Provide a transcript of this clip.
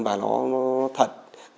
và nó thật